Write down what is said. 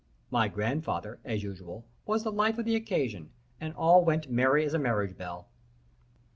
My grandfather, as usual, was the life of the occasion, and all went merry as a marriage bell.